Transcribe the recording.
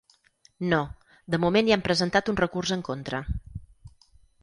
No, de moment hi hem presentat un recurs en contra.